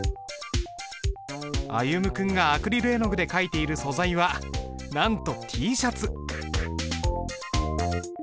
歩夢君がアクリル絵の具で書いている素材はなんとＴシャツ。